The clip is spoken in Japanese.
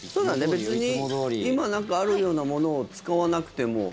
別に今あるようなものを使わなくても。